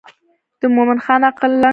د مومن خان عقل لنډ و.